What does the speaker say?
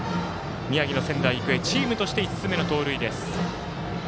宮城の仙台育英、チームとして５つ目の盗塁です。